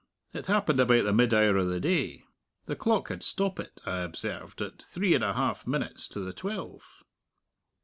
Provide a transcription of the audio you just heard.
It happened about the mid hour o' the day. The clock had stoppit, I observed, at three and a half minutes to the twelve."